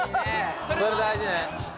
それ大事ね。